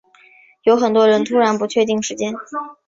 有很多人突然不确定时间